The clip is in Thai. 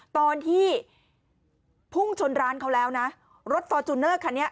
ตอนที่พุ่งชนร้านเขาแล้วนะรถฟอร์จูเนอร์คันนี้